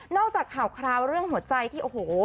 จากข่าวคราวเรื่องหัวใจที่โอ้โห